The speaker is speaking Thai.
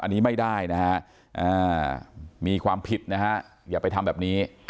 อันนี้ไม่ได้นะฮะมีความผิดนะฮะอย่าไปทำแบบนี้